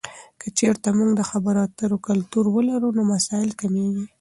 که چیرته موږ د خبرو اترو کلتور ولرو، نو مسایل کمېږي.